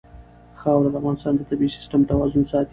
خاوره د افغانستان د طبعي سیسټم توازن ساتي.